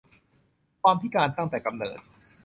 ความพิการตั้งแต่กำเนิด